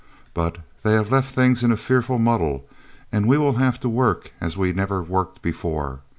But they have left things in a fearful muddle, and we will have to work as we never worked before.